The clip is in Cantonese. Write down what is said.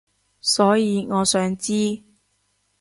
所以我想知